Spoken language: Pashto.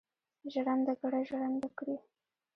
ژرندهګړی ژرنده کړي.